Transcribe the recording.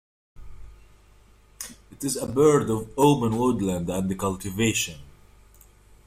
It is a bird of open woodland and cultivation.